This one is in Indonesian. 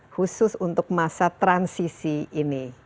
khusus untuk masa transisi ini